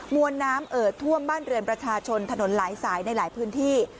วนน้ำเอ่อท่วมบ้านเรือนประชาชนถนนหลายสายในหลายพื้นที่